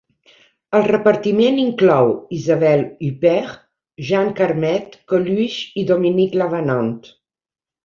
El repartiment inclou Isabelle Huppert, Jean Carmet, Coluche i Dominique Lavanant.